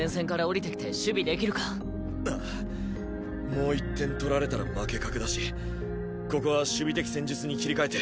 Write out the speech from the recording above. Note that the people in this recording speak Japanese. もう１点取られたら負け確だしここは守備的戦術に切り替えてカウンターを狙ったほうが。